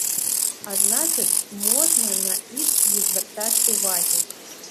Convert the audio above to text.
А значыць, можна на іх не звяртаць увагі.